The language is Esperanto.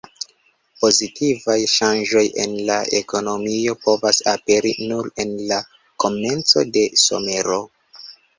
Pozitivaj ŝanĝoj en la ekonomio povos aperi nur en la komenco de somero.